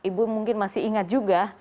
ibu mungkin masih ingat juga